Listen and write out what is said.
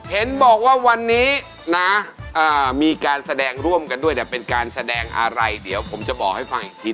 เห็นบอกว่าวันนี้นะมีการแสดงร่วมกันด้วยแต่เป็นการแสดงอะไรเดี๋ยวผมจะบอกให้ฟังอีกที